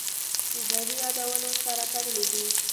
اوبه د یادونو سره تړلې دي.